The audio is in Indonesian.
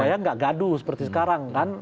saya nggak gaduh seperti sekarang kan